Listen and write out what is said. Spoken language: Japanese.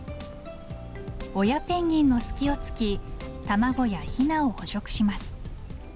親ペンギンの隙をつき卵やひなを捕食します。